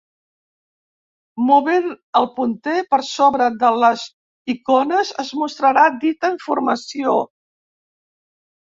Movent el punter per sobre de les icones es mostrarà dita informació.